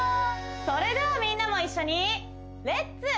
それではみんなも一緒にレッツ！